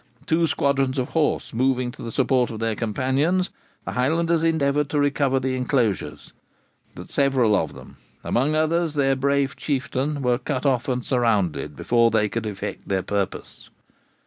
Two squadrons of horse moving to the support of their companions, the Highlanders endeavoured to recover the enclosures. But several of them, amongst others their brave Chieftain, were cut off and surrounded before they could effect their purpose.